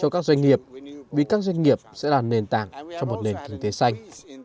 các doanh nghiệp vì các doanh nghiệp sẽ là nền tảng cho một nền kinh tế xanh